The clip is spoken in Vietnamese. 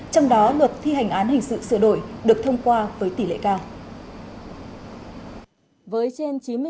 trong đó luật thi hành án hình sự sửa đổi được thông qua với tỷ lệ cao